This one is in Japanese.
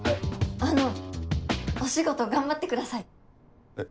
あのお仕事頑張ってください！え？